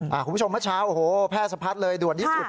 คุณผู้ชมเมื่อเช้าโอ้โหแพร่สะพัดเลยด่วนที่สุด